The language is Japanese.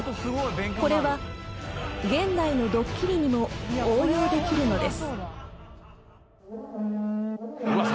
［これは現代のドッキリにも応用できるのです］